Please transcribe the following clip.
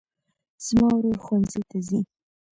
زما ورور ښوونځي ته ځي